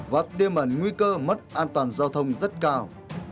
và tiêm ẩn nguy cơ mất an toàn giao thông rất cao